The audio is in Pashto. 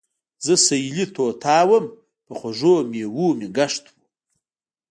زۀ سېلي طوطا ووم پۀ خوږو مېوو مې ګشت وو